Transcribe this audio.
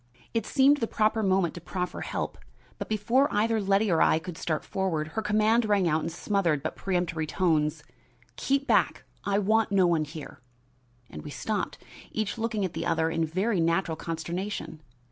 It seemed the proper moment to proffer help, but before either Letty or I could start forward, her command rang out in smothered but peremptory tones: "Keep back! I want no one here!" and we stopped, each looking at the other in very natural consternation.